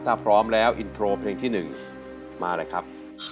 ถ้าพร้อมแล้วอินโทรเพลงที่๑มาเลยครับ